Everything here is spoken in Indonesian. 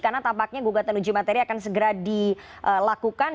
karena tampaknya gugatan uji materi akan segera dilakukan